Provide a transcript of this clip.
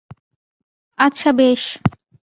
আচ্ছা, বেশ।